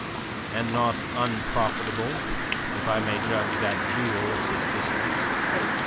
"And not unprofitable, if I may judge that jewel at this distance.